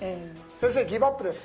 先生ギブアップです。